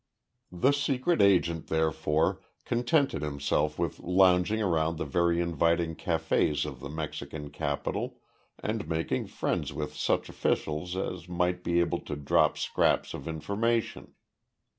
The secret agent, therefore, contented himself with lounging around the very inviting cafés of the Mexican capital and making friends with such officials as might be able to drop scraps of information.